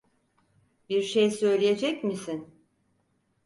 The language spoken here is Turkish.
Bir şey söyleyecek misin?